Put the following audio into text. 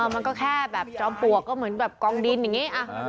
มันก็แค่แบบจอมปลวกก็เหมือนแบบกองดินอย่างนี้